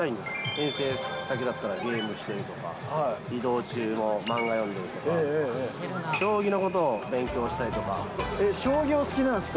遠征先だったらゲームしてるとか、移動中も漫画読んでるとか、えっ、将棋お好きなんですか？